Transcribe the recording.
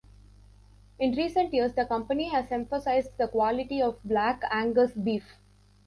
In recent years, the company has emphasized the quality of Black Angus Beef.